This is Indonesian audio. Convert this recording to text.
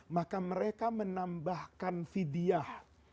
maka mereka menambahkan fidyah